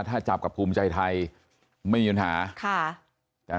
ถ้าจับกับภูมิใจไทยไม่ยืนหา